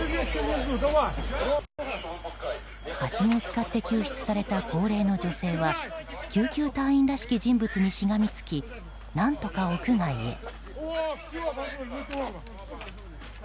はしごを使って救出された高齢の女性は救急隊員らしき人物にしがみつき何とか屋外へ。